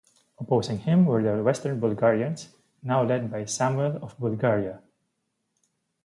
Opposing him were the Western Bulgarians, now led by Samuel of Bulgaria.